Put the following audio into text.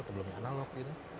sebelumnya analog gitu